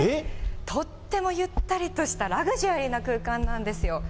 とってもゆったりとしたラグジュアリーな空間なんですよ。